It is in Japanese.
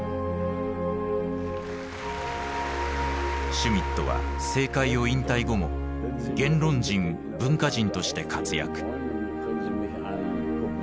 シュミットは政界を引退後も言論人文化人として活躍。